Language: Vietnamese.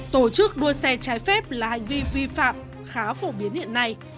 tổ chức đua xe trái phép là hành vi vi phạm khá phổ biến hiện nay